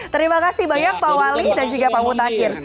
terima kasih banyak pak wali dan juga pak mutakin